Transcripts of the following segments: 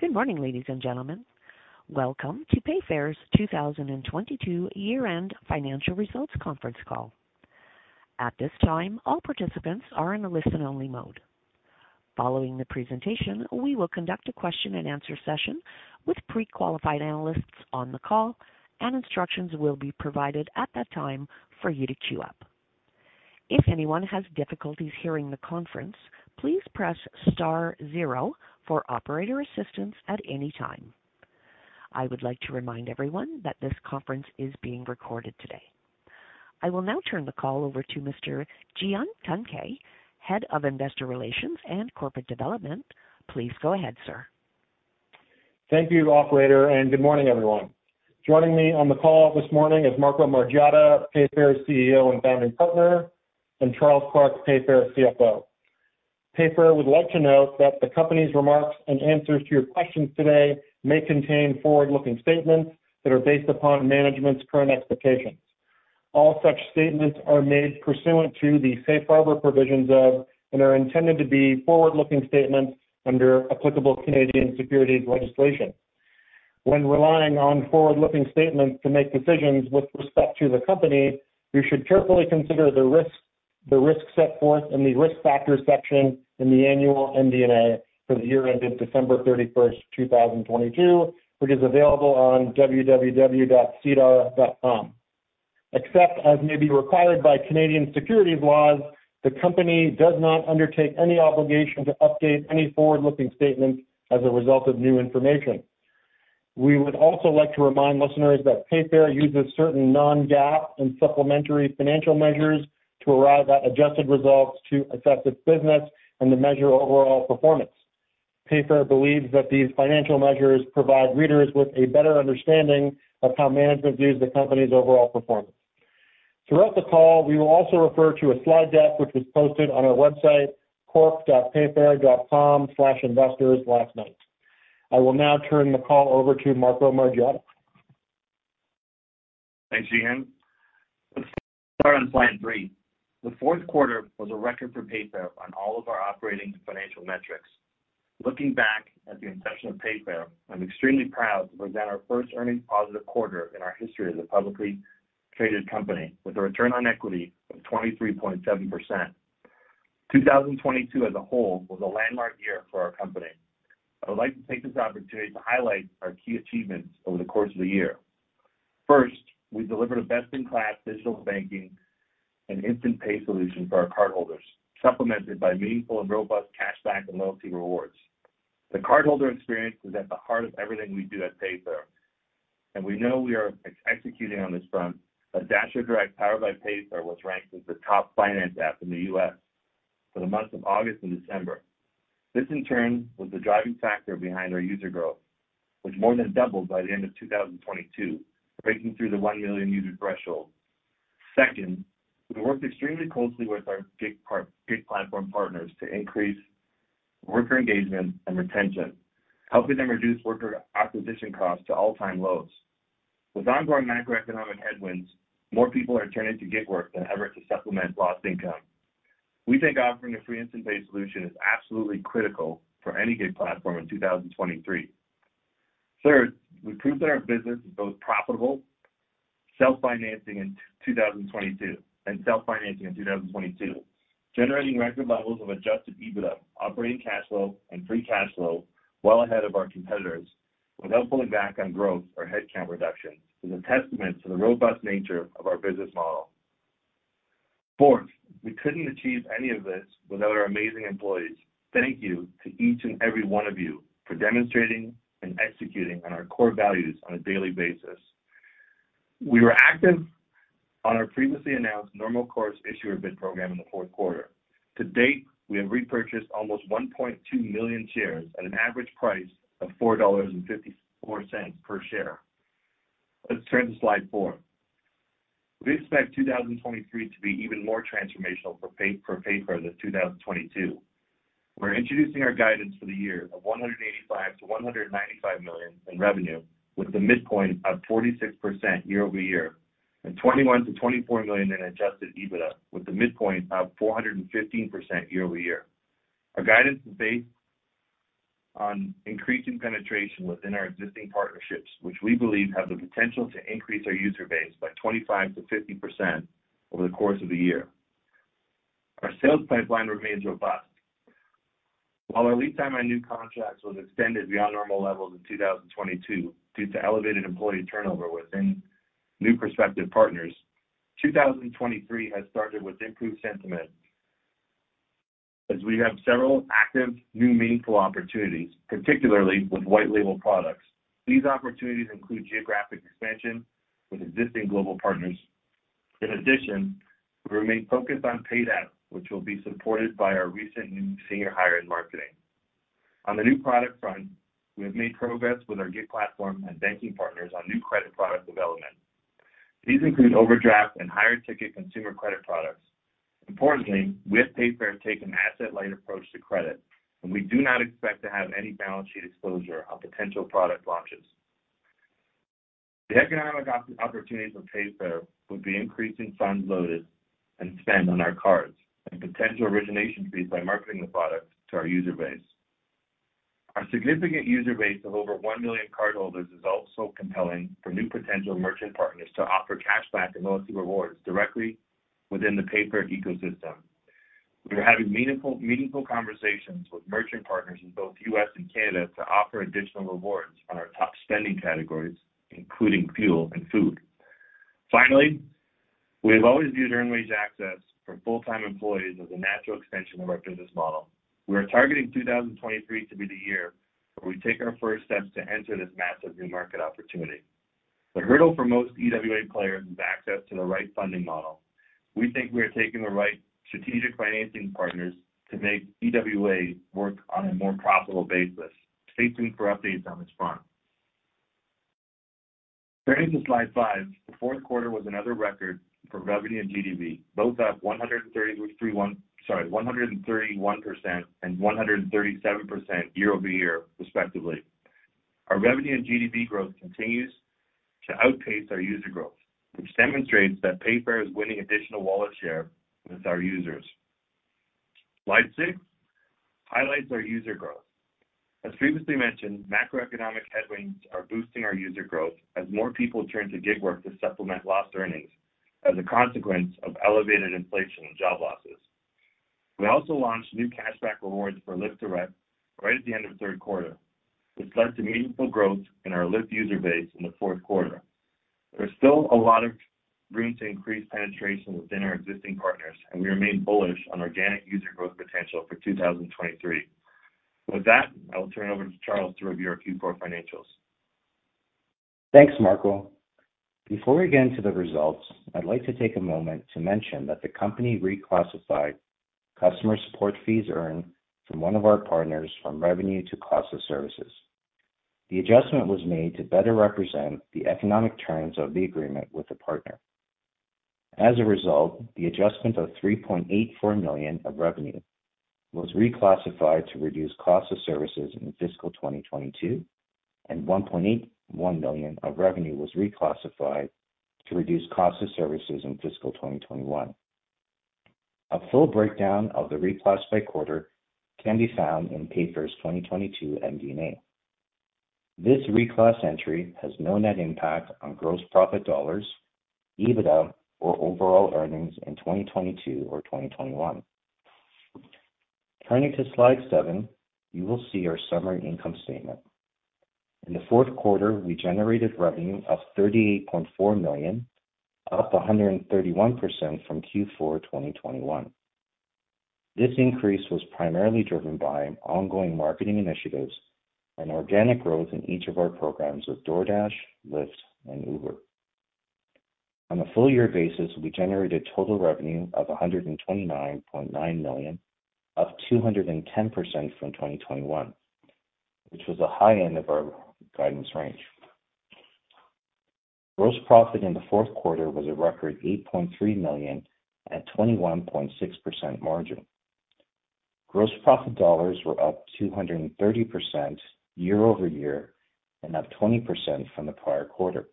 Good morning, ladies and gentlemen. Welcome to Payfare's 2022 year-end financial results conference call. At this time, all participants are in a listen-only mode. Following the presentation, we will conduct a question-and-answer session with pre-qualified analysts on the call. Instructions will be provided at that time for you to queue up. If anyone has difficulties hearing the conference, please press star zero for operator assistance at any time. I would like to remind everyone that this conference is being recorded today. I will now turn the call over to Mr. Cihan Tuncay, Head of Investor Relations and Corporate Development. Please go ahead, sir. Thank you, operator, and good morning, everyone. Joining me on the call this morning is Marco Margiotta, Payfare's CEO and Founding Partner, and Charles Park, Payfare's CFO. Payfare would like to note that the company's remarks and answers to your questions today may contain forward-looking statements that are based upon management's current expectations. All such statements are made pursuant to the safe harbor provisions of and are intended to be forward-looking statements under applicable Canadian securities legislation. When relying on forward-looking statements to make decisions with respect to the company, you should carefully consider the risks set forth in the Risk Factors section in the annual MD&A for the year ended December 31st, 2022, which is available on www.sedar.com. Except as may be required by Canadian securities laws, the company does not undertake any obligation to update any forward-looking statements as a result of new information. We would also like to remind listeners that Payfare uses certain non-GAAP and supplementary financial measures to arrive at adjusted results to assess its business and to measure overall performance. Payfare believes that these financial measures provide readers with a better understanding of how management views the company's overall performance. Throughout the call, we will also refer to a slide deck, which was posted on our website, corp.payfare.com/investors last night. I will now turn the call over to Marco Margiotta. Thanks, Cihan. Let's start on slide three. The fourth quarter was a record for Payfare on all of our operating and financial metrics. Looking back at the inception of Payfare, I'm extremely proud to present our first earnings positive quarter in our history as a publicly traded company with a return on equity of 23.7%. 2022 as a whole was a landmark year for our company. I would like to take this opportunity to highlight our key achievements over the course of the year. First, we delivered a best-in-class digital banking and instant pay solution for our cardholders, supplemented by meaningful and robust cashback and loyalty rewards. The cardholder experience is at the heart of everything we do at Payfare, and we know we are executing on this front. A DasherDirect powered by Payfare was ranked as the top finance app in the US for the months of August and December. This, in turn, was the driving factor behind our user growth, which more than doubled by the end of 2022, breaking through the 1 million user threshold. Second, we worked extremely closely with our gig platform partners to increase worker engagement and retention, helping them reduce worker acquisition costs to all-time lows. With ongoing macroeconomic headwinds, more people are turning to gig work than ever to supplement lost income. We think offering a free instant pay solution is absolutely critical for any gig platform in 2023. Third, we proved that our business is both profitable, self-financing in 2022, generating record levels of adjusted EBITDA, operating cash flow, and free cash flow well ahead of our competitors without pulling back on growth or headcount reduction is a testament to the robust nature of our business model. We couldn't achieve any of this without our amazing employees. Thank you to each and every one of you for demonstrating and executing on our core values on a daily basis. We were active on our previously announced normal course issuer bid program in the fourth quarter. To date, we have repurchased almost 1.2 million shares at an average price of $4.54 per share. Let's turn to slide 4. We expect 2023 to be even more transformational for Payfare than 2022. We're introducing our guidance for the year of $185 million-$195 million in revenue with a midpoint of 46% year-over-year, and $21 million-$24 million in adjusted EBITDA, with a midpoint of 415% year-over-year. Our guidance is based on increasing penetration within our existing partnerships, which we believe have the potential to increase our user base by 25%-50% over the course of the year. Our sales pipeline remains robust. While our lead time on new contracts was extended beyond normal levels in 2022 due to elevated employee turnover within new prospective partners, 2023 has started with improved sentiment as we have several active new meaningful opportunities, particularly with white label products. These opportunities include geographic expansion with existing global partners. We remain focused on Paid App, which will be supported by our recent new senior hire in marketing. On the new product front, we have made progress with our gig platform and banking partners on new credit product development. These include overdraft and higher-ticket consumer credit products. Importantly, we at Payfare take an asset-light approach to credit, and we do not expect to have any balance sheet exposure on potential product launches. The economic opportunities of Payfare would be increasing funds loaded and spent on our cards and potential origination fees by marketing the product to our user base. Our significant user base of over 1 million cardholders is also compelling for new potential merchant partners to offer cashback and loyalty rewards directly within the Payfare ecosystem. We are having meaningful conversations with merchant partners in both U.S. and Canada to offer additional rewards on our top spending categories, including fuel and food. We have always viewed earned wage access for full-time employees as a natural extension of our business model. We are targeting 2023 to be the year where we take our first steps to enter this massive new market opportunity. The hurdle for most EWA players is access to the right funding model. We think we are taking the right strategic financing partners to make EWA work on a more profitable basis. Stay tuned for updates on this front. Turning to slide 5. The fourth quarter was another record for revenue and GDV. Both up 131% and 137% year-over-year, respectively. Our revenue and GDV growth continues to outpace our user growth, which demonstrates that Payfare is winning additional wallet share with our users. Slide 6 highlights our user growth. As previously mentioned, macroeconomic headwinds are boosting our user growth as more people turn to gig work to supplement lost earnings as a consequence of elevated inflation and job losses. We also launched new cashback rewards for Lyft Direct right at the end of third quarter, which led to meaningful growth in our Lyft user base in the fourth quarter. We remain bullish on organic user growth potential for 2023. With that, I will turn it over to Charles to review our Q4 financials. Thanks, Marco. Before we get into the results, I'd like to take a moment to mention that the company reclassified customer support fees earned from one of our partners from revenue to cost of services. The adjustment was made to better represent the economic terms of the agreement with the partner. As a result, the adjustment of $3.84 million of revenue was reclassified to reduce cost of services in fiscal 2022, and $1.81 million of revenue was reclassified to reduce cost of services in fiscal 2021. A full breakdown of the reclass by quarter can be found in Payfare's 2022 MD&A. This reclass entry has no net impact on gross profit dollars, EBITDA, or overall earnings in 2022 or 2021. Turning to slide 7, you will see our summary income statement. In the fourth quarter, we generated revenue of $38.4 million, up 131% from Q4 2021. This increase was primarily driven by ongoing marketing initiatives and organic growth in each of our programs with DoorDash, Lyft, and Uber. On a full year basis, we generated total revenue of $129.9 million, up 210% from 2021, which was the high end of our guidance range. Gross profit in the fourth quarter was a record $8.3 million at 21.6% margin. Gross profit dollars were up 230% year-over-year and up 20% from the prior quarter.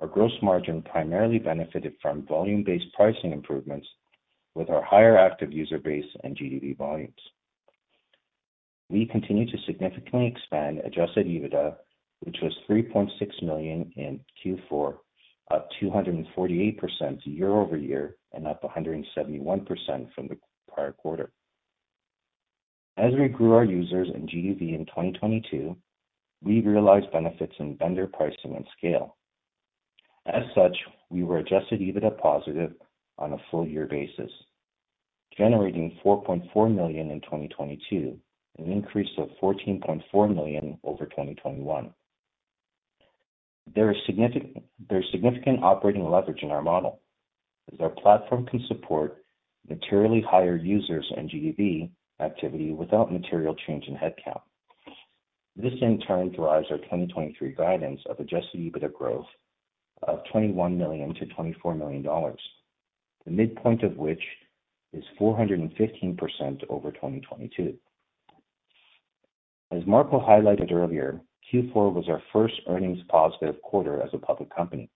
Our gross margin primarily benefited from volume-based pricing improvements with our higher active user base and GDV volumes. We continue to significantly expand adjusted EBITDA, which was $3.6 million in Q4, up 248% year-over-year and up 171% from the prior quarter. As we grew our users and GDV in 2022, we realized benefits in vendor pricing and scale. As such, we were adjusted EBITDA positive on a full year basis, generating $4.4 million in 2022, an increase of $14.4 million over 2021. There is significant operating leverage in our model as our platform can support materially higher users and GDV activity without material change in headcount. This in turn drives our 2023 guidance of adjusted EBITDA growth of $21 million-$24 million, the midpoint of which is 415% over 2022. As Marco highlighted earlier, Q4 was our first earnings positive quarter as a public company.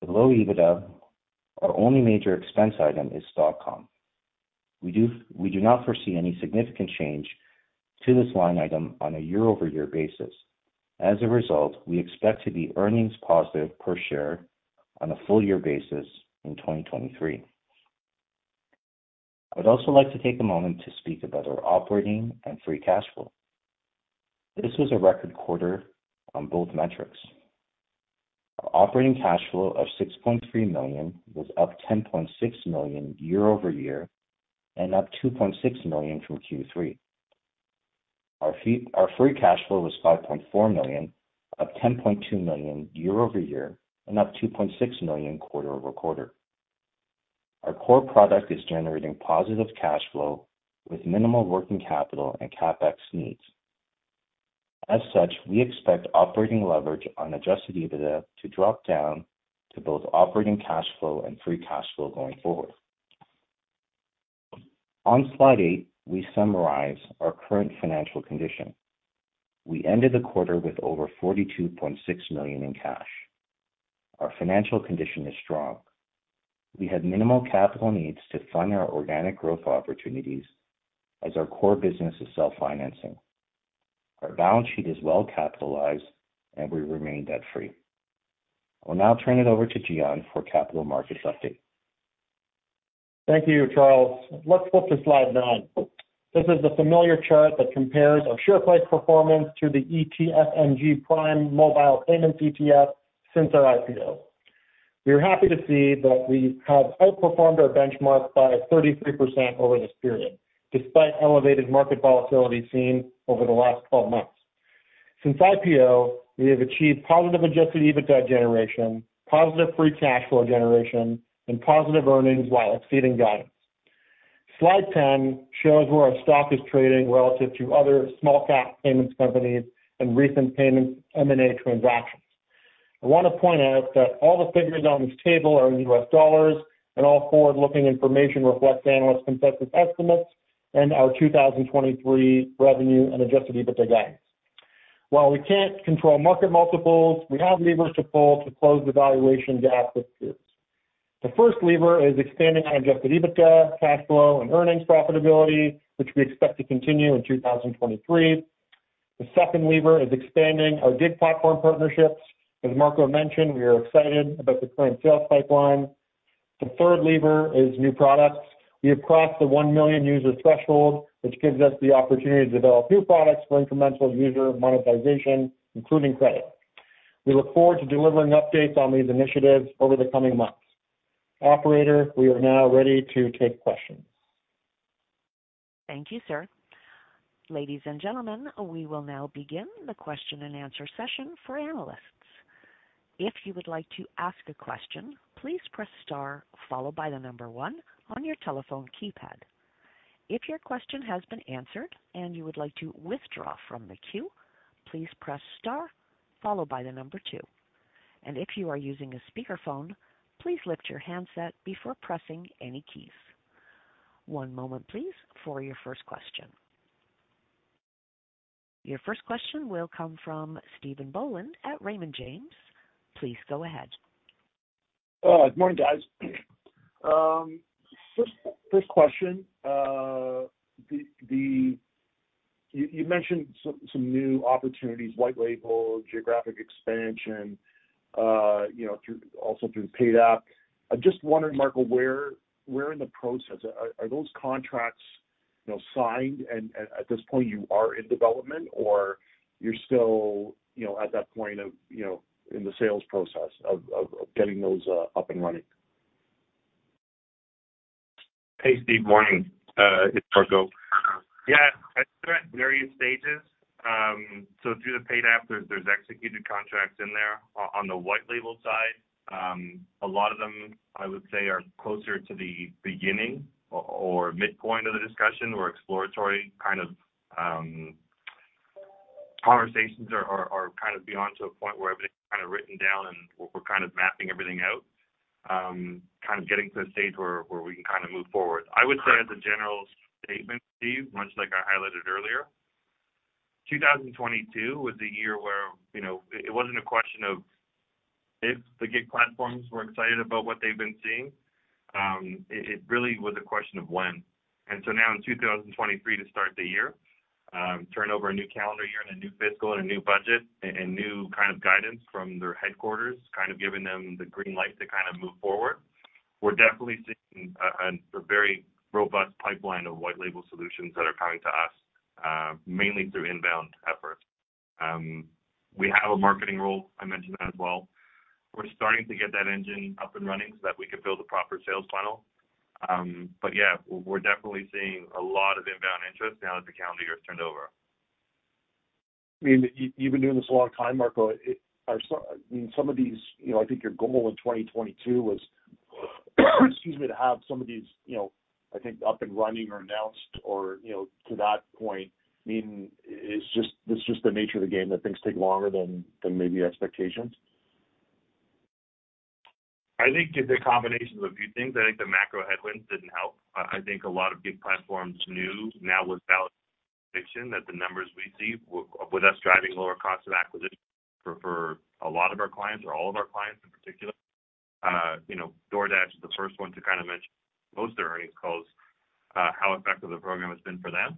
With low EBITDA, our only major expense item is stock comp. We do not foresee any significant change to this line item on a year-over-year basis. As a result, we expect to be earnings positive per share on a full year basis in 2023. I would also like to take a moment to speak about our operating and free cash flow. This was a record quarter on both metrics. Our operating cash flow of $6.3 million was up $10.6 million year-over-year and up $2.6 million from Q3. Our free cash flow was $5.4 million, up $10.2 million year-over-year and up $2.6 million quarter-over-quarter. Our core product is generating positive cash flow with minimal working capital and CapEx needs. As such, we expect operating leverage on adjusted EBITDA to drop down to both operating cash flow and free cash flow going forward. On slide 8, we summarize our current financial condition. We ended the quarter with over $42.6 million in cash. Our financial condition is strong. We have minimal capital needs to fund our organic growth opportunities as our core business is self-financing. Our balance sheet is well capitalized, and we remain debt-free. I'll now turn it over to Cihan for capital markets update. Thank you, Charles. Let's flip to slide 9. This is the familiar chart that compares our share price performance to the ETF ETFMG Prime Mobile Payments ETF since our IPO. We are happy to see that we have outperformed our benchmark by 33% over this period, despite elevated market volatility seen over the last 12 months. Since IPO, we have achieved positive adjusted EBITDA generation, positive free cash flow generation, and positive earnings while exceeding guidance. Slide 10 shows where our stock is trading relative to other small cap payments companies and recent payments M&A transactions. I want to point out that all the figures on this table are in US dollars and all forward-looking information reflects analyst consensus estimates and our 2023 revenue and adjusted EBITDA gains. While we can't control market multiples, we have levers to pull to close the valuation gap with peers. The first lever is expanding our adjusted EBITDA cash flow and earnings profitability, which we expect to continue in 2023. The second lever is expanding our gig platform partnerships. As Marco mentioned, we are excited about the current sales pipeline. The third lever is new products. We have crossed the 1 million user threshold, which gives us the opportunity to develop new products for incremental user monetization, including credit. We look forward to delivering updates on these initiatives over the coming months. Operator, we are now ready to take questions. Thank you, sir. Ladies and gentlemen, we will now begin the question-and-answer session for analysts. If you would like to ask a question, please press star followed by the number 1 on your telephone keypad. If your question has been answered and you would like to withdraw from the queue, please press star followed by the number 2. If you are using a speakerphone, please lift your handset before pressing any keys. One moment please for your first question. Your first question will come from Stephen Boland at Raymond James. Please go ahead. Good morning, guys. First question. You mentioned some new opportunities, white label, geographic expansion, you know, through also through the Paid App. I'm just wondering, Marco, where in the process, are those contracts, you know, signed and at this point you are in development or you're still, you know, at that point of, you know, in the sales process of getting those up and running? Hey, Steve. Morning. It's Marco. They're at various stages. Through the paid app, there's executed contracts in there. On the white label side, a lot of them, I would say, are closer to the beginning or midpoint of the discussion. We're exploratory kind of conversations are kind of beyond to a point where everything's kind of written down and we're kind of mapping everything out. Kind of getting to a stage where we can kinda move forward. I would say as a general statement, Steve, much like I highlighted earlier, 2022 was a year where, you know, it wasn't a question of if the gig platforms were excited about what they've been seeing, it really was a question of when. Now in 2023 to start the year, turn over a new calendar year and a new fiscal and a new budget and new kind of guidance from their headquarters, kind of giving them the green light to kind of move forward. We're definitely seeing a very robust pipeline of white label solutions that are coming to us, mainly through inbound efforts. We have a marketing role. I mentioned that as well. We're starting to get that engine up and running so that we can build a proper sales funnel. Yeah, we're definitely seeing a lot of inbound interest now that the calendar year has turned over. I mean, you've been doing this a long time, Marco. I mean, some of these, you know, I think your goal in 2022 was, excuse me, to have some of these, you know, I think up and running or announced or, you know, to that point, I mean, it's just the nature of the game that things take longer than maybe expectations. I think it's a combination of a few things. I think the macro headwinds didn't help. I think a lot of gig platforms knew now with validation that the numbers we see with us driving lower costs of acquisition for a lot of our clients or all of our clients in particular. You know, DoorDash is the first one to kind of mention post their earnings calls, how effective the program has been for them.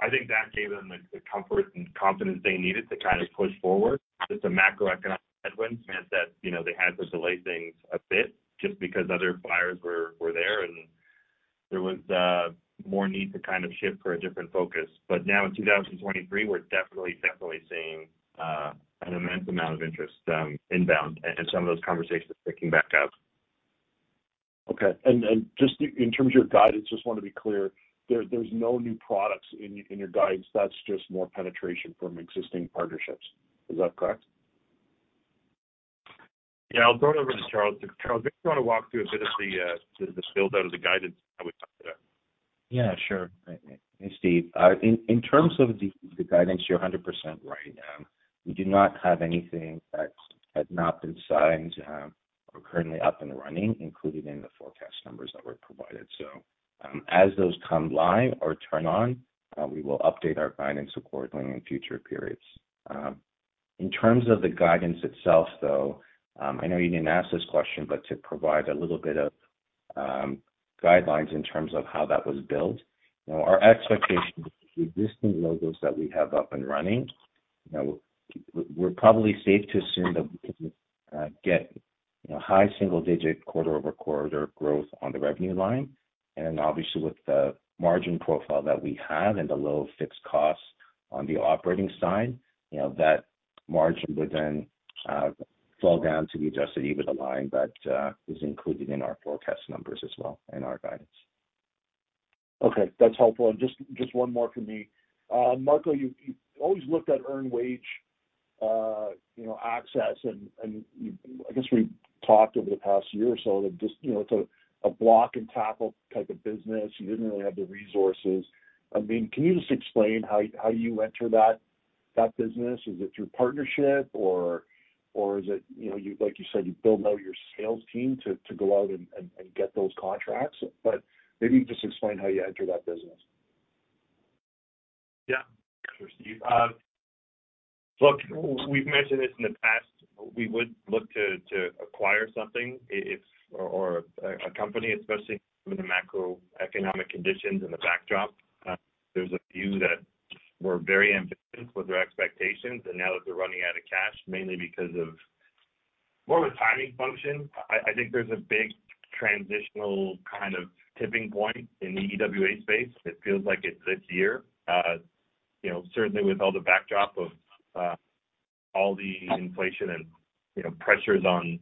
I think that gave them the comfort and confidence they needed to kind of push forward. Just the macroeconomic headwinds meant that, you know, they had to delay things a bit just because other buyers were there, and there was more need to kind of shift for a different focus. Now in 2023, we're definitely seeing an immense amount of interest, inbound and some of those conversations picking back up. Okay. Just in terms of your guidance, just want to be clear, there's no new products in your guidance. That's just more penetration from existing partnerships. Is that correct? Yeah. I'll throw it over to Charles. Charles, maybe you wanna walk through a bit of the spill down of the guidance, how we talked about. Sure. Hey, Steve. In terms of the guidance, you're 100% right. We do not have anything that has not been signed or currently up and running, including in the forecast numbers that were provided. As those come live or turn on, we will update our guidance accordingly in future periods. In terms of the guidance itself, though, I know you didn't ask this question, but to provide a little bit of guidelines in terms of how that was built. You know, our expectation with the existing logos that we have up and running, you know, we're probably safe to assume that we can get, you know, high single digit quarter-over-quarter growth on the revenue line. Obviously with the margin profile that we have and the low fixed costs on the operating side, you know, that margin would then fall down to the adjusted EBITDA line that is included in our forecast numbers as well and our guidance. Okay. That's helpful. Just one more for me. Marco, you always looked at earned wage, you know, access and I guess we talked over the past year or so that just, you know, it's a block and tackle type of business. You didn't really have the resources. I mean, can you just explain how you enter that business? Is it through partnership or is it, you know, you, like you said, you build out your sales team to go out and get those contracts? Maybe just explain how you enter that business. Yeah. Sure, Steve. Look, we've mentioned this in the past. We would look to acquire something if or a company, especially with the macroeconomic conditions in the backdrop. There's a few that were very ambitious with their expectations, and now that they're running out of cash, mainly because of more of a timing function. I think there's a big transitional kind of tipping point in the EWA space. It feels like it's this year. you know, certainly with all the backdrop of all the inflation and, you know, pressures on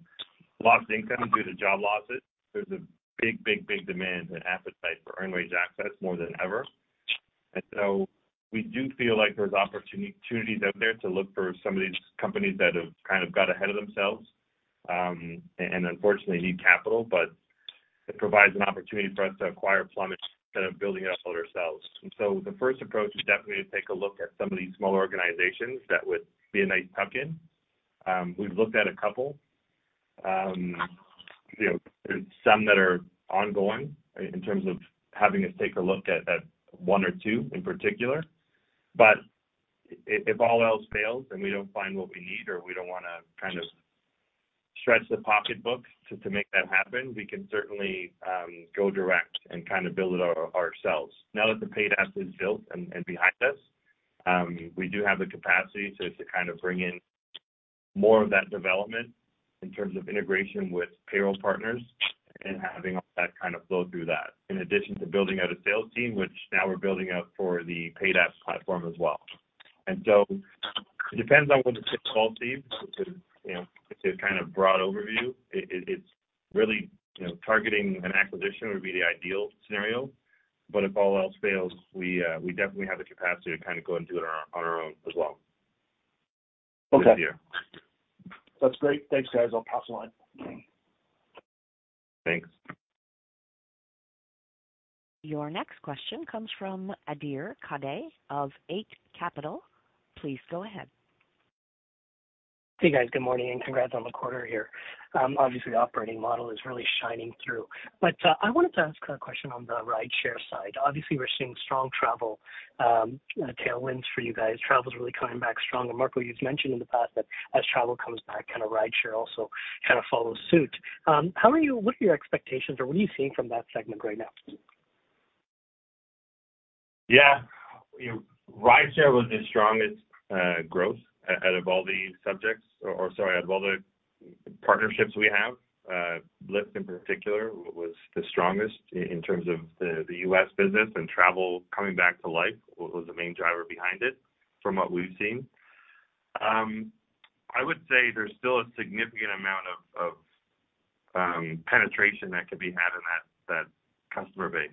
lost income due to job losses, there's a big, big, big demand and appetite for earned wage access more than ever. We do feel like there's opportunities out there to look for some of these companies that have kind of got ahead of themselves, and unfortunately need capital. It provides an opportunity for us to acquire plumbing instead of building it up all ourselves. The first approach is definitely to take a look at some of these smaller organizations that would be a nice tuck in. We've looked at a couple. You know, there's some that are ongoing in terms of having us take a look at one or two in particular. If all else fails and we don't find what we need or we don't wanna kind of stretch the pocketbook to make that happen, we can certainly go direct and kind of build it ourselves. Now that the Paid Apps is built and behind us, we do have the capacity to kind of bring in more of that development in terms of integration with payroll partners and having all that kind of flow through that, in addition to building out a sales team, which now we're building out for the Paid Apps platform as well. It depends on what the chips fall, Steve. You know, it's a kind of broad overview. It's really, you know, targeting an acquisition would be the ideal scenario, but if all else fails, we definitely have the capacity to kind of go and do it on our own as well. Okay. This year. That's great. Thanks, guys. I'll pass the line. Thanks. Your next question comes from Adhir Kadve of Eight Capital. Please go ahead. Hey, guys. Good morning, congrats on the quarter here. Obviously the operating model is really shining through. I wanted to ask a question on the rideshare side. Obviously, we're seeing strong travel tailwinds for you guys. Travel's really coming back strong. Marco, you've mentioned in the past that as travel comes back, kinda rideshare also kind of follows suit. What are your expectations or what are you seeing from that segment right now? Yeah. You know, rideshare was the strongest growth out of all the subjects or sorry, out of all the partnerships we have. Lyft in particular was the strongest in terms of the U.S. business and travel coming back to life was the main driver behind it from what we've seen. I would say there's still a significant amount of penetration that could be had in that customer base.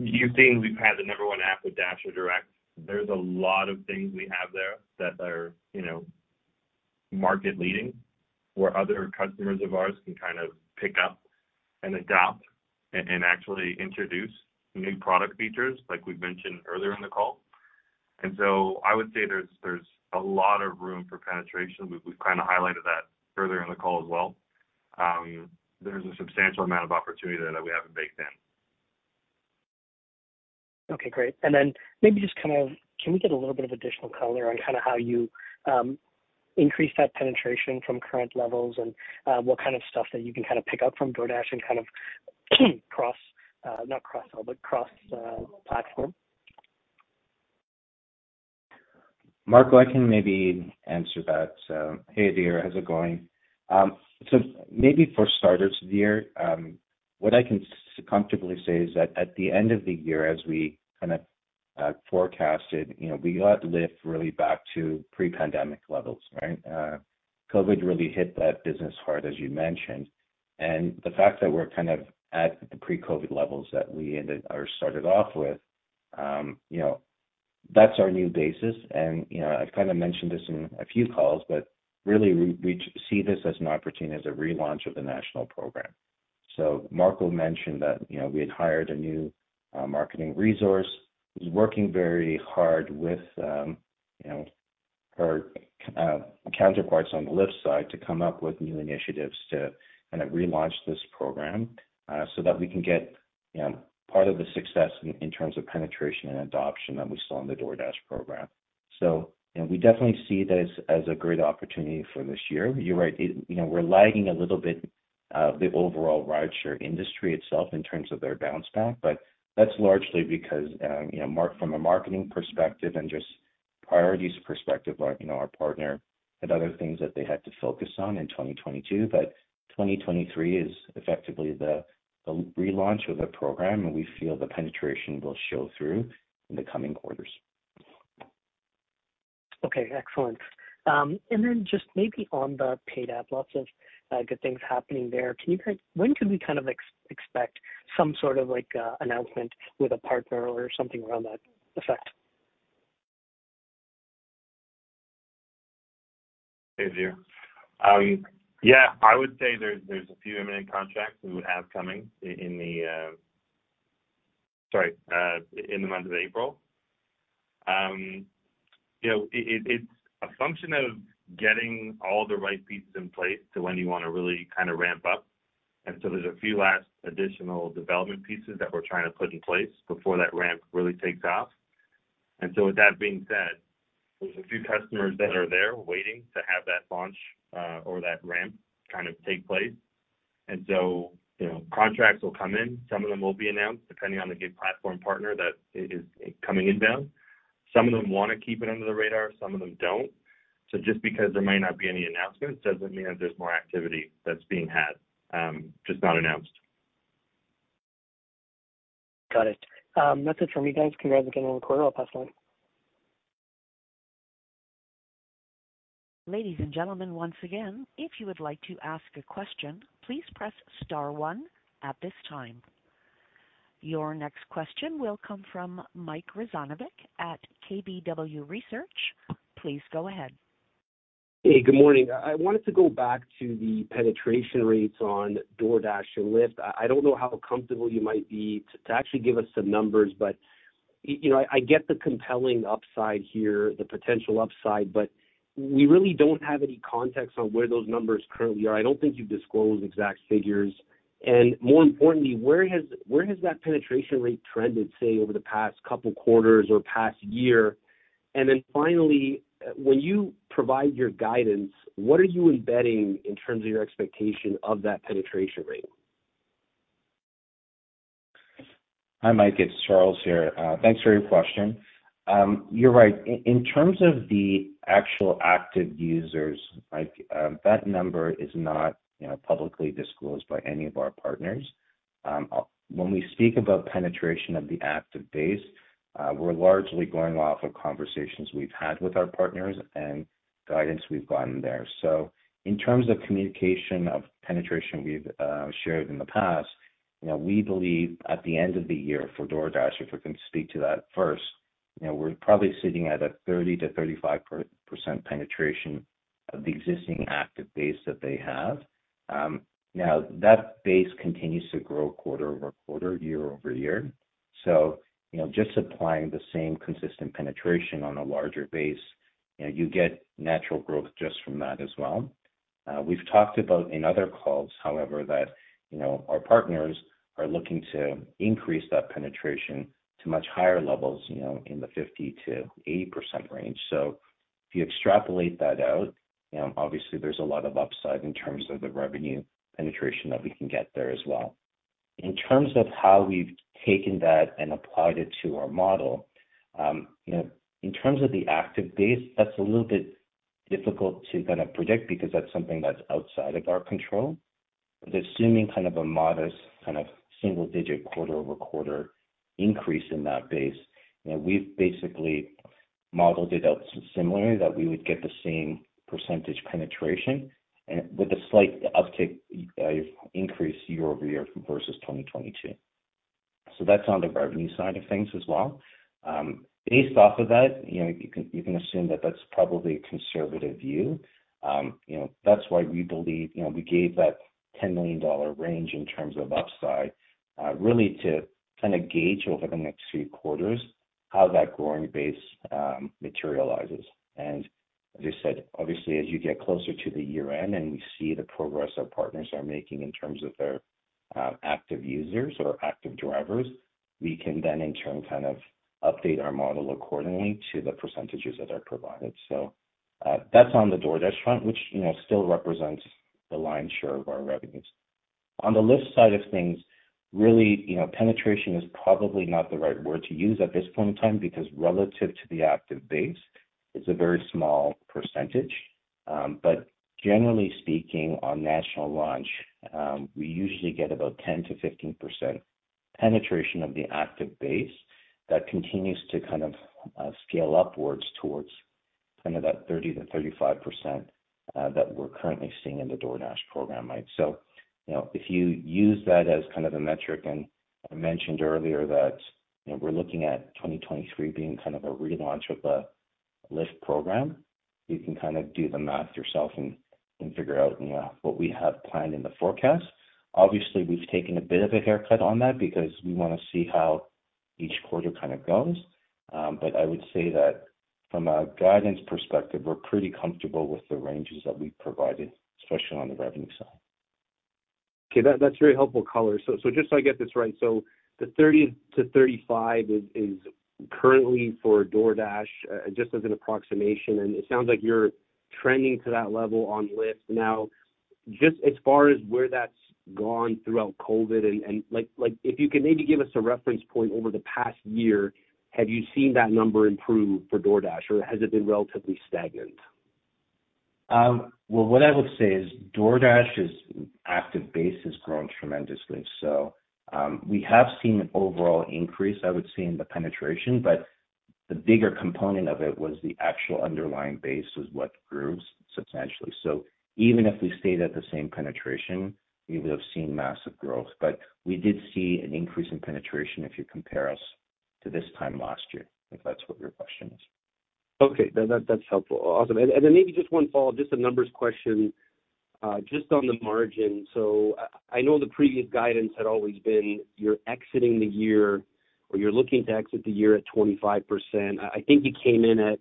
You've seen we've had the number one app with DasherDirect. There's a lot of things we have there that are, you know, market leading, where other customers of ours can kind of pick up and adapt and actually introduce new product features like we've mentioned earlier in the call. I would say there's a lot of room for penetration. We've kind of highlighted that earlier in the call as well. There's a substantial amount of opportunity there that we haven't baked in. Okay. Great. Maybe just kind of, can we get a little bit of additional color on kinda how you increase that penetration from current levels and what kind of stuff that you can kinda pick up from DoorDash and not cross-sell, but cross platform? Marco, I can maybe answer that. Hey, Adhir, how's it going? Maybe for starters, Adhir, what I can comfortably say is that at the end of the year, as we kind of, forecasted, you know, we got Lyft really back to pre-pandemic levels, right? COVID really hit that business hard, as you mentioned. The fact that we're kind of at the pre-COVID levels that we ended or started off with, you know, that's our new basis. You know, I've kinda mentioned this in a few calls, but really we see this as an opportunity as a relaunch of the national program. Marco mentioned that, you know, we had hired a new marketing resource, who's working very hard with, you know, her counterparts on the Lyft side to come up with new initiatives to kind of relaunch this program, so that we can get, you know, part of the success in terms of penetration and adoption that we saw in the DoorDash program. You know, we definitely see that as a great opportunity for this year. You're right. You know, we're lagging a little bit, the overall rideshare industry itself in terms of their bounce back, but that's largely because, you know, from a marketing perspective and just priorities perspective, our, you know, our partner had other things that they had to focus on in 2022. 2023 is effectively the relaunch of the program, and we feel the penetration will show through in the coming quarters. Okay, excellent. Then just maybe on the Paid App, lots of good things happening there. When can we kind of expect some sort of like announcement with a partner or something around that effect? This is Hugh. Yeah, I would say there's a few imminent contracts we would have coming in the month of April. You know, it's a function of getting all the right pieces in place to when you wanna really kind of ramp up. There's a few last additional development pieces that we're trying to put in place before that ramp really takes off. With that being said, there's a few customers that are there waiting to have that launch or that ramp kind of take place. You know, contracts will come in. Some of them will be announced depending on the give platform partner that is coming inbound. Some of them wanna keep it under the radar, some of them don't. just because there might not be any announcements, doesn't mean that there's more activity that's being had, just not announced. Got it. Nothing from me, guys. Congrats again on the quarter. I'll pass the line. Ladies and gentlemen, once again, if you would like to ask a question, please press star one at this time. Your next question will come from Mike Rizvanovic at KBW Research. Please go ahead. Hey, good morning. I wanted to go back to the penetration rates on DoorDash and Lyft. I don't know how comfortable you might be to actually give us some numbers, but, you know, I get the compelling upside here, the potential upside, but we really don't have any context on where those numbers currently are. I don't think you've disclosed exact figures. And more importantly, where has that penetration rate trended, say, over the past couple quarters or past year? And then finally, when you provide your guidance, what are you embedding in terms of your expectation of that penetration rate? Hi, Mike, it's Charles here. Thanks for your question. You're right. In terms of the actual active users, Mike, that number is not, you know, publicly disclosed by any of our partners. When we speak about penetration of the active base, we're largely going off of conversations we've had with our partners and guidance we've gotten there. In terms of communication of penetration we've shared in the past, you know, we believe at the end of the year for DoorDash, if we can speak to that first, you know, we're probably sitting at a 30%-35% penetration of the existing active base that they have. Now that base continues to grow quarter-over-quarter, year-over-year. You know, just applying the same consistent penetration on a larger base, you know, you get natural growth just from that as well. We've talked about in other calls, however, that, you know, our partners are looking to increase that penetration to much higher levels, you know, in the 50%-80% range. If you extrapolate that out, you know, obviously there's a lot of upside in terms of the revenue penetration that we can get there as well. In terms of how we've taken that and applied it to our model, you know, in terms of the active base, that's a little bit difficult to kinda predict because that's something that's outside of our control. Assuming kind of a modest, kind of single-digit quarter-over-quarter increase in that base, you know, we've basically modeled it out similarly that we would get the same percentage penetration and with a slight uptick, increase year-over-year versus 2022. That's on the revenue side of things as well. Based off of that, you know, you can, you can assume that that's probably a conservative view. You know, that's why we believe, you know, we gave that $10 million range in terms of upside, really to kinda gauge over the next few quarters how that growing base materializes. As I said, obviously as you get closer to the year-end and we see the progress our partners are making in terms of their active users or active drivers, we can then in turn kind of update our model accordingly to the percentages that are provided. That's on the DoorDash front, which, you know, still represents the lion's share of our revenues. On the Lyft side of things, really, you know, penetration is probably not the right word to use at this point in time because relative to the active base, it's a very small percentage. Generally speaking, on national launch, we usually get about 10%-15% penetration of the active base that continues to kind of scale upwards towards kind of that 30%-35% that we're currently seeing in the DoorDash program, Mike. You know, if you use that as kind of the metric, and I mentioned earlier that, you know, we're looking at 2023 being kind of a relaunch of the Lyft program. You can kind of do the math yourself and figure out, you know, what we have planned in the forecast. Obviously, we've taken a bit of a haircut on that because we wanna see how each quarter kind of goes. I would say that from a guidance perspective, we're pretty comfortable with the ranges that we've provided, especially on the revenue side. Okay. That's very helpful color. Just so I get this right, the 30-35 is currently for DoorDash, just as an approximation, and it sounds like you're trending to that level on Lyft now. Just as far as where that's gone throughout COVID and like, if you can maybe give us a reference point over the past year, have you seen that number improve for DoorDash, or has it been relatively stagnant? Well, what I would say is DoorDash's active base has grown tremendously. We have seen an overall increase, I would say, in the penetration, but the bigger component of it was the actual underlying base was what grew substantially. Even if we stayed at the same penetration, we would have seen massive growth. We did see an increase in penetration if you compare us to this time last year, if that's what your question is. Okay. That's helpful. Awesome. Then maybe just one follow-up, just a numbers question, just on the margin. I know the previous guidance had always been you're exiting the year or you're looking to exit the year at 25%. I think you came in at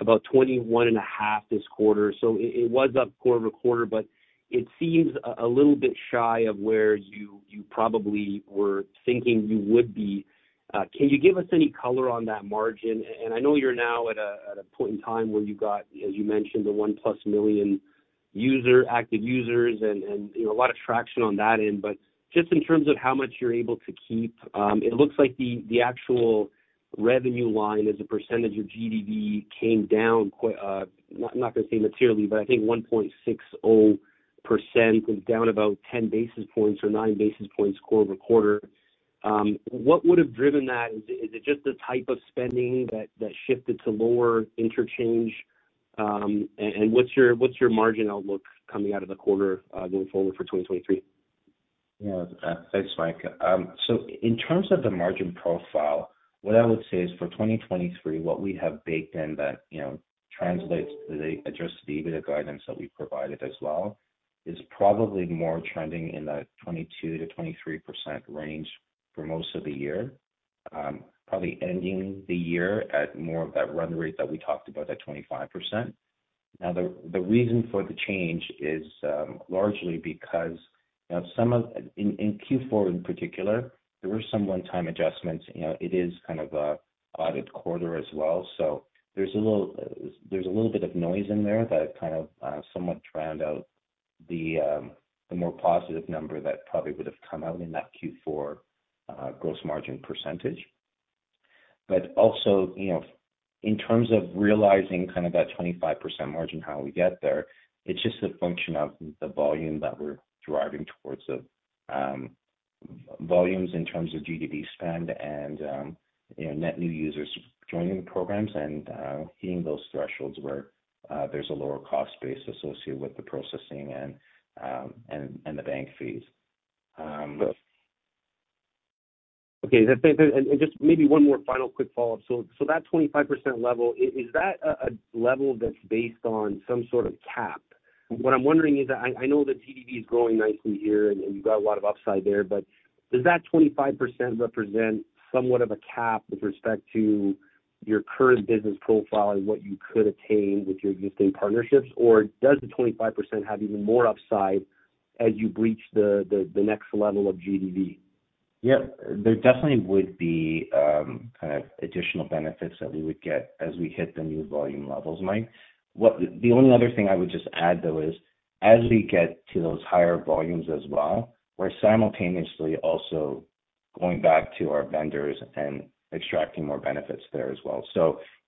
about 21.5% this quarter, so it was up quarter-over-quarter, but it seems a little bit shy of where you probably were thinking you would be. Can you give us any color on that margin? I know you're now at a point in time where you got, as you mentioned, the 1+ million user, active users and, you know, a lot of traction on that end. Just in terms of how much you're able to keep, it looks like the actual revenue line as a percentage of GDV came down I'm not gonna say materially, but I think 1.60% is down about 10 basis points or 9 basis points quarter-over-quarter. What would have driven that? Is it just the type of spending that shifted to lower interchange? What's your, what's your margin outlook coming out of the quarter, going forward for 2023? Yeah. Thanks, Mike. So in terms of the margin profile, what I would say is for 2023, what we have baked in that, you know, translates to the adjusted EBITDA guidance that we provided as well, is probably more trending in that 22%-23% range for most of the year. Probably ending the year at more of that run rate that we talked about, that 25%. The reason for the change is largely because, you know, in Q4 in particular, there were some one-time adjustments. You know, it is kind of a audit quarter as well. There's a little bit of noise in there that kind of somewhat drowned out the more positive number that probably would have come out in that Q4 gross margin percentage. Also, you know, in terms of realizing kind of that 25% margin, how we get there, it's just a function of the volume that we're driving towards the volumes in terms of GDV spend and, you know, net new users joining the programs and hitting those thresholds where there's a lower cost base associated with the processing and the bank fees. Just maybe one more final quick follow-up. That 25% level, is that a level that's based on some sort of cap? What I'm wondering is I know the GDV is growing nicely here and you've got a lot of upside there, but does that 25% represent somewhat of a cap with respect to your current business profile and what you could attain with your existing partnerships? Or does the 25% have even more upside as you breach the next level of GDV? Yeah. There definitely would be kind of additional benefits that we would get as we hit the new volume levels, Mike. The only other thing I would just add, though, is as we get to those higher volumes as well, we're simultaneously also going back to our vendors and extracting more benefits there as well.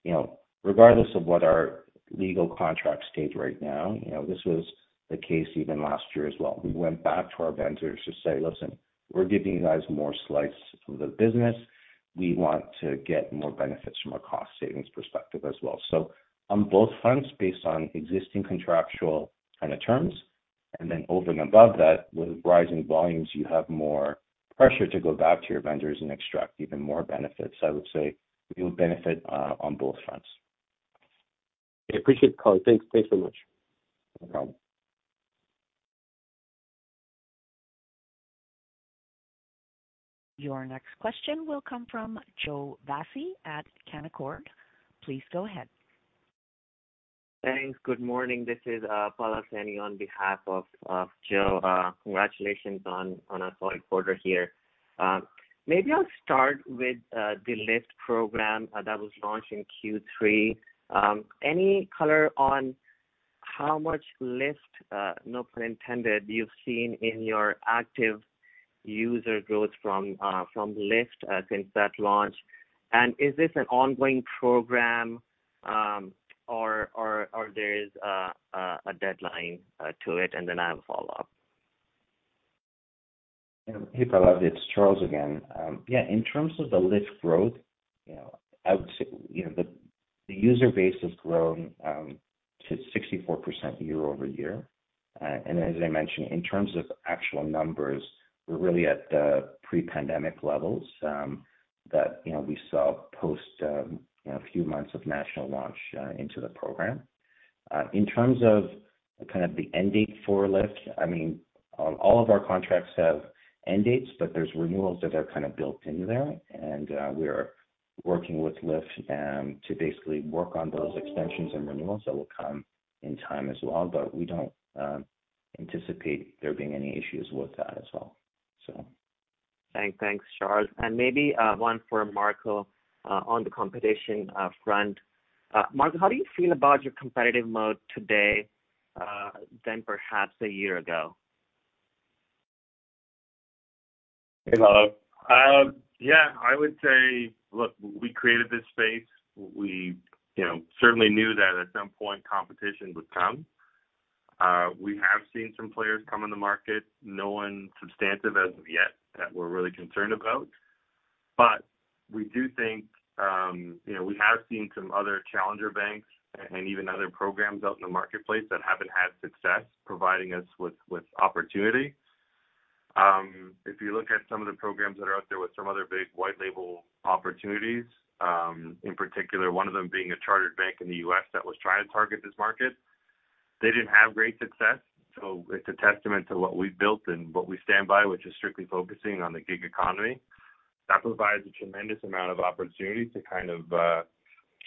You know, regardless of what our legal contract states right now, you know, this was the case even last year as well. We went back to our vendors to say, "Listen, we're giving you guys more slice of the business. We want to get more benefits from a cost savings perspective as well." On both fronts, based on existing contractual kind of terms, and then over and above that, with rising volumes, you have more pressure to go back to your vendors and extract even more benefits. I would say we would benefit, on both fronts. I appreciate the color. Thanks. Thanks so much. No problem. Your next question will come from Joseph Vafi at Canaccord. Please go ahead. Thanks. Good morning. This is Pallav Saini on behalf of Joe. Congratulations on a solid quarter here. Maybe I'll start with the Lyft program that was launched in Q3. Any color on how much Lyft, no pun intended, you've seen in your active user growth from Lyft since that launch? Is this an ongoing program or there is a deadline to it? Then I have a follow-up. Yeah. Hey, Palav. It's Charles again. Yeah, in terms of the Lyft growth, you know, I would say, you know, the user base has grown to 64% year-over-year. As I mentioned, in terms of actual numbers, we're really at the pre-pandemic levels that, you know, we saw post, you know, a few months of national launch into the program. In terms of kind of the end date for Lyft, I mean, all of our contracts have end dates, but there's renewals that are kind of built into there. We are working with Lyft to basically work on those extensions and renewals that will come in time as well. We don't anticipate there being any issues with that as well. Thanks. Thanks, Charles. Maybe one for Marco on the competition front. Marco, how do you feel about your competitive model today than perhaps a year ago? Hello. Yeah, I would say, look, we created this space. We, you know, certainly knew that at some point competition would come. We have seen some players come in the market, no one substantive as of yet that we're really concerned about. We do think, you know, we have seen some other challenger banks and even other programs out in the marketplace that haven't had success providing us with opportunity. If you look at some of the programs that are out there with some other big white label opportunities, in particular one of them being a chartered bank in the U.S. that was trying to target this market, they didn't have great success. It's a testament to what we've built and what we stand by, which is strictly focusing on the gig economy. That provides a tremendous amount of opportunity to kind of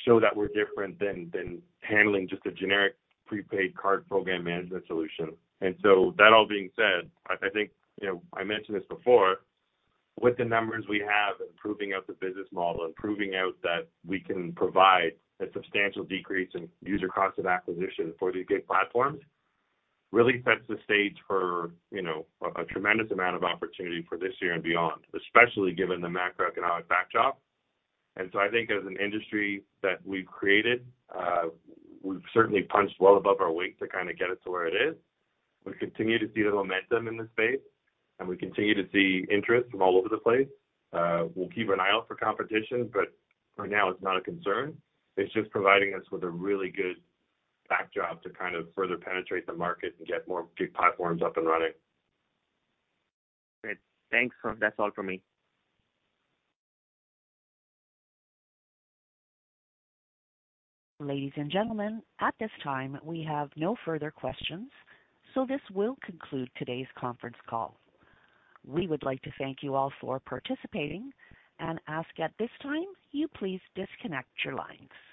show that we're different than handling just a generic prepaid card program management solution. That all being said, I think, you know, I mentioned this before, with the numbers we have and proving out the business model and proving out that we can provide a substantial decrease in user cost of acquisition for these gig platforms really sets the stage for, you know, a tremendous amount of opportunity for this year and beyond, especially given the macroeconomic backdrop. I think as an industry that we've created, we've certainly punched well above our weight to kind of get us to where it is. We continue to see the momentum in the space, and we continue to see interest from all over the place. We'll keep an eye out for competition, but for now it's not a concern. It's just providing us with a really good backdrop to kind of further penetrate the market and get more gig platforms up and running. Great. Thanks. That's all for me. Ladies and gentlemen, at this time we have no further questions, so this will conclude today's conference call. We would like to thank you all for participating and ask at this time you please disconnect your lines.